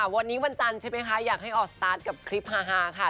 วันนี้วันจันทร์ใช่ไหมคะอยากให้ออกสตาร์ทกับคลิปฮาค่ะ